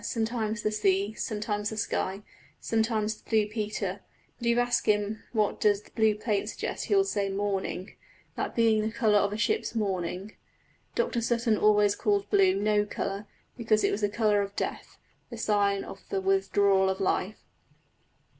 Sometimes the sea, sometimes the sky, sometimes the Blue Peter; but if you ask him what does blue paint suggest he would say mourning, that being the colour of a ship's mourning. Dr Sutton always called blue no colour, because it was the colour of death, the sign of the withdrawal of life."